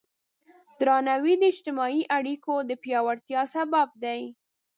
درناوی د اجتماعي اړیکو د پیاوړتیا سبب دی.